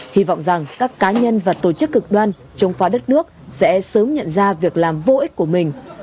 hy vọng rằng các cá nhân và tổ chức cực đoan chống phá đất nước sẽ sớm nhận ra việc làm vô ích của mình